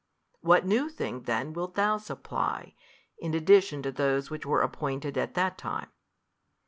What new thing then wilt Thou supply, in addition to those which were appointed at that time?